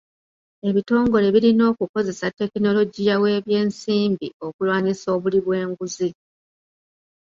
Ebitongole birina okukozesa tekinologiya w'ebyensimbi okulwanisa obuli bw'enguzi.